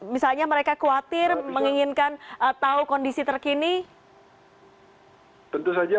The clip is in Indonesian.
misalnya mereka khawatir menginginkan tahu kondisi terkini